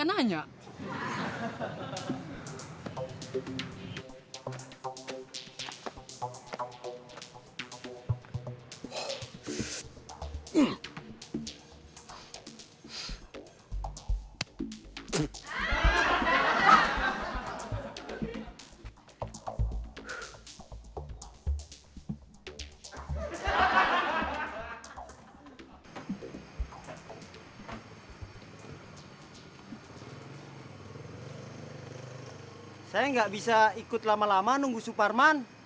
saya gak bisa ikut lama lama nunggu suparman